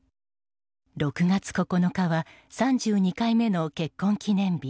６月９日は３２回目の結婚記念日。